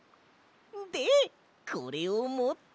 でこれをもって。